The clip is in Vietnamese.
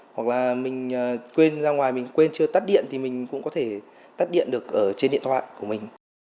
hoặc là mình quên ra ngoài mình quên chưa tắt điện thì mình cũng có thể tắt điện được ở trên điện thoại của mình